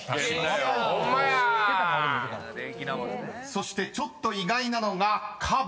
［そしてちょっと意外なのがカバ］